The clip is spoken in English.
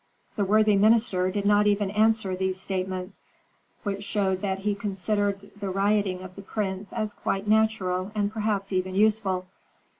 The worthy minister did not even answer these statements, which showed that he considered the rioting of the prince as quite natural and perhaps even useful.